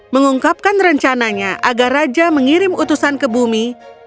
mengungkapkan rencananya agar raja mengirim utusan ke bumi